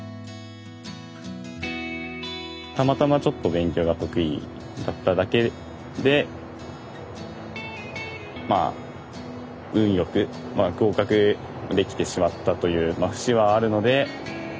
たまたまちょっと勉強が得意だっただけでまあ運良く合格できてしまったという節はあるのでなんかすごいしんがないというか